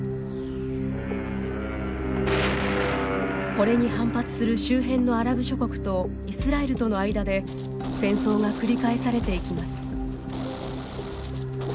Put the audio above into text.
これに反発する周辺のアラブ諸国とイスラエルとの間で戦争が繰り返されていきます。